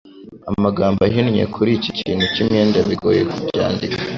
amagambo ahinnye kuri iki kintu cyimyenda bigoye ku byandika